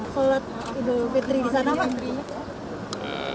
sholat idul fitri di sana pak